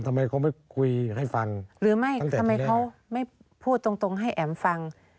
ทำไมเขาไม่คุยให้ฟังหรือไม่ทำไมเขาไม่พูดตรงตรงให้แอ๋มฟัง